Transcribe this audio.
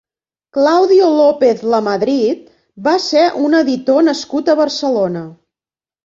Claudio López Lamadrid va ser un editor nascut a Barcelona.